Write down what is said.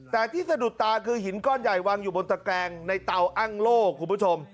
แต่ที่สะดุดตาคือหินก้อนใหญ่วางอยู่บนตะแกรงในเตาอ้างโลกคุณผู้ชม